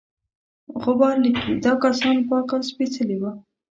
غبار لیکي دا کسان پاک او سپیڅلي وه.